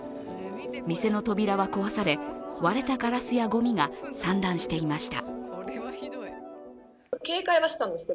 店の扉は壊され割れたガラスやごみが散乱していました。